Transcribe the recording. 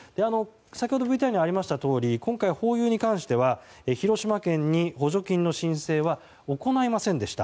先ほどＶＴＲにもありましたとおり今回、ホーユーに関しては広島県に補助金の申請は行いませんでした。